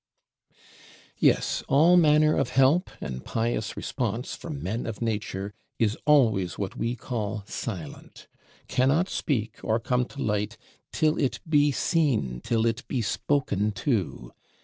Yes, all manner of help, and pious response from Men of Nature, is always what we call silent; cannot speak or come to light, till it be seen, till it be spoken to.